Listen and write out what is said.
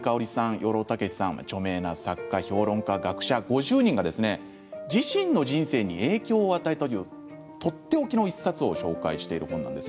養老孟司さんなど著名な作家、評論家、学者ら５０人自身の人生に影響を与えたとっておきの１冊を紹介する本です。